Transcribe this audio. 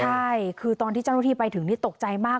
ใช่คือตอนที่เจ้าหน้าที่ไปถึงนี่ตกใจมาก